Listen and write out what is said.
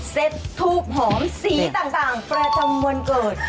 ทูบหอมสีต่างประจำวันเกิด